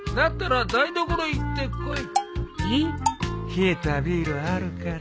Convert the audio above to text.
冷えたビールあるから。